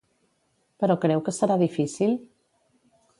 Però creu que serà difícil?